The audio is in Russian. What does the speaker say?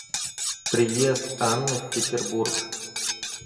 Приезд Анны в Петербург.